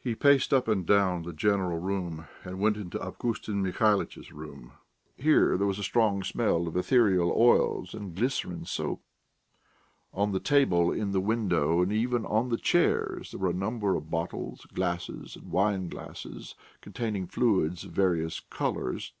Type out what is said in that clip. He paced up and down the "general room," and went into Avgustin Mihalitch's room. Here there was a strong smell of ethereal oils and glycerine soap. On the table, in the window, and even on the chairs, there were a number of bottles, glasses, and wineglasses containing fluids of various colours.